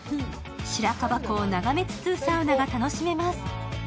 白樺湖を眺めつつサウナが楽しめます。